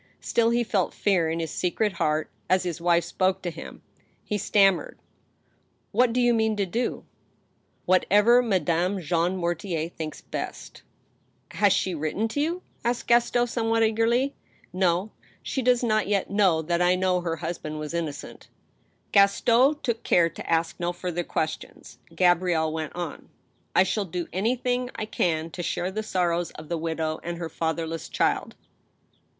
Still, he felt fear in his secret heart as his wife spoke to him. He stanmiered :" What do you mean to do ?"" Whatever Madame Jean Mortier thinks best. " Has she written to you ?" asked Gaston, somewhat eageriy. " No, She does not yet know that I know her husband was innocent." Gaston took care to ask no further questions. Gabrielle went on :" I shall do anything I can to share the sorrows of the widow and her fatherless child."